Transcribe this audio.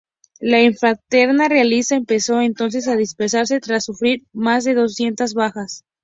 La infantería realista empezó entonces a dispersarse tras sufrir más de doscientas bajas.